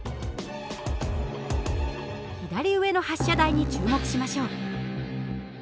左上の発射台に注目しましょう。